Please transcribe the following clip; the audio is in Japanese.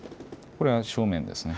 これは正面ですね。